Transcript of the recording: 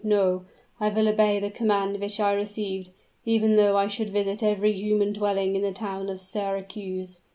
No; I will obey the command which I received, even though I should visit every human dwelling in the town of Syracuse!